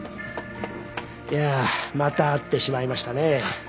やあまた会ってしまいましたねぇ。